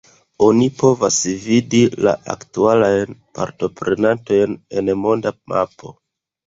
Oni povas vidi la aktualajn partoprenantojn en monda mapo.